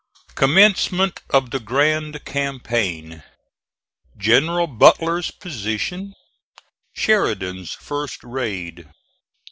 COMMENCEMENT OF THE GRAND CAMPAIGN GENERAL BUTLER'S POSITION SHERIDAN'S FIRST RAID.